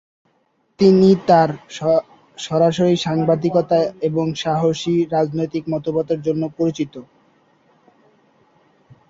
তিনি তার সরাসরি সাংবাদিকতা এবং সাহসী রাজনৈতিক মতামতের জন্য পরিচিত।